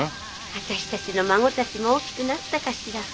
私たちの孫たちも大きくなったかしら。